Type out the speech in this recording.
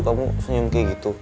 kamu senyum kayak gitu